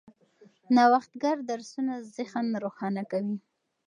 نوښتګر درسونه ذهن روښانه کوي.